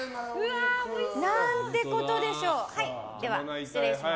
何てことでしょう！